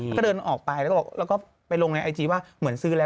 ก็เดินออกไปถามไปลงไอจีว่าเหมือนซื้อแล้ว